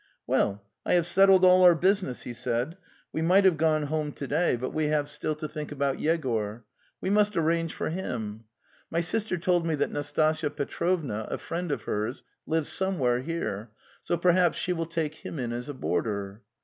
"Well, I have settled all our business," he said. "We might have gone home to day, but we have The Steppe 295 still to think about Yegor. We must arrange for him. My sister told me that Nastasya Petrovna, a friend of hers, lives somewhere here, so perhaps she will take him in as a boarder."